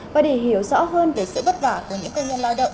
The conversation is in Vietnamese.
và để hiểu rõ hơn về sự vất vả của những công nhân lao động